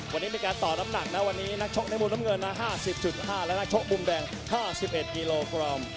วันนี้มีการต่อน้ำหนักนะวันนี้นักชกในมุมน้ำเงินนะ๕๐๕และนักชกมุมแดง๕๑กิโลกรัม